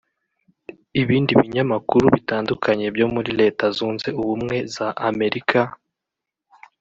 Ibindi binyamakuru bitandukanye byo muri Leta Zunze Ubumwe za Amerika